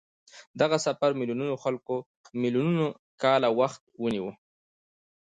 دغه سفر میلیونونه کاله وخت ونیو.